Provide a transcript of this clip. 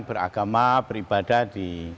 beragama beribadah di